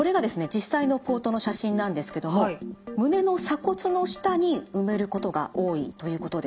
実際のポートの写真なんですけども胸の鎖骨の下に埋めることが多いということです。